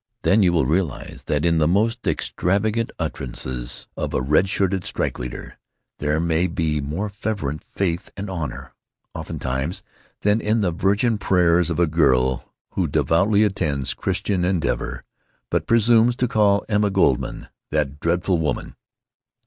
Then you will realize that in the most extravagant utterances of a red shirted strike leader there may be more fervent faith and honor, oftentimes, than in the virgin prayers of a girl who devoutly attends Christian Endeavor, but presumes to call Emma Goldman 'that dreadful woman.'